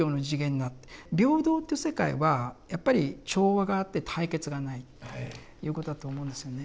平等という世界はやっぱり調和があって対決がないということだと思うんですよね。